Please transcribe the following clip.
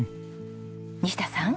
西田さん。